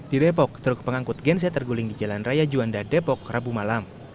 di depok truk pengangkut gense terguling di jalan raya juanda depok rabu malam